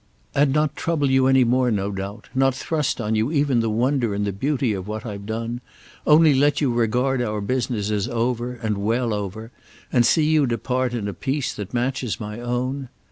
"And not trouble you any more, no doubt—not thrust on you even the wonder and the beauty of what I've done; only let you regard our business as over, and well over, and see you depart in a peace that matches my own?